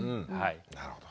なるほど。